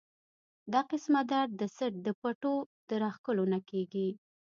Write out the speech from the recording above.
دا قسمه درد د څټ د پټو د راښکلو نه کيږي